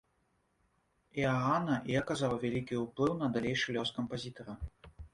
Іаана і аказаў вялікі ўплыў на далейшы лёс кампазітара.